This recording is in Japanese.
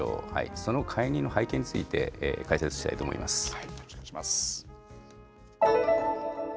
その解任の背景について、解説しよろしくお願いします。